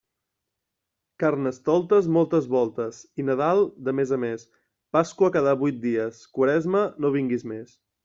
Carnestoltes moltes voltes i Nadal de mes a mes, Pasqua cada vuit dies; Quaresma, no vingues més.